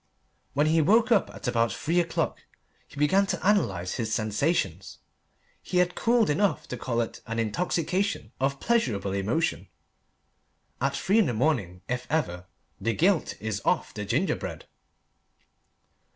When he woke up at about three o'clock, and began to analyse his sensations, he had cooled enough to call it an intoxication of pleasurable emotion. At three in the morning, if ever, the gilt is off the ginger bread.